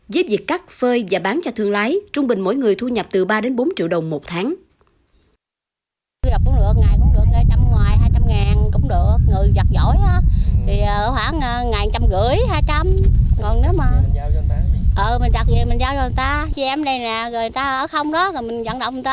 dếp dịch cắt phơi và bán cho thương lái trung bình mỗi người thu nhập từ ba bốn triệu đồng một tháng